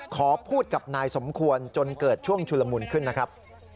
ขอพูดกับนายสมควรจนเกิดช่วงชุลมุนขึ้นนะครับ